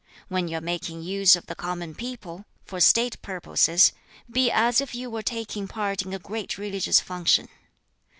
When you are making use of the common people (for State purposes), be as if you were taking part in a great religious function.